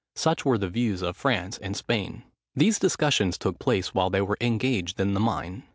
Such were their views of France and Spain. These discussions took place while they were engaged in the mine.